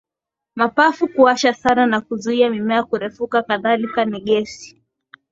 mapafu kuwasha sana na kuzuia mimea kurefuka Kadhalika ni gesi